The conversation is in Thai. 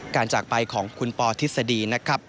การจักรไปของคุณปธิสดีนะครับ